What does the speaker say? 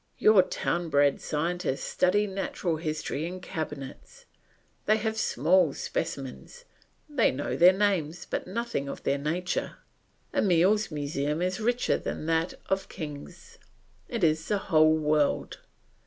Your town bred scientists study natural history in cabinets; they have small specimens; they know their names but nothing of their nature. Emile's museum is richer than that of kings; it is the whole world.